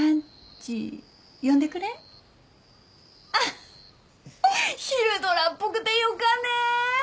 あっ昼ドラっぽくてよかね！